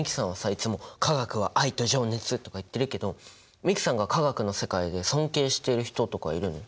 いつも化学は愛と情熱とか言ってるけど美樹さんが化学の世界で尊敬している人とかいるの？